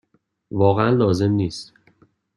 واقعا لازم نیست.